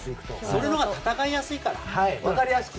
そのほうが戦いやすいから。